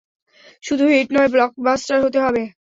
শুধু হিট নয়, ব্লকবাস্টার হতে হবে।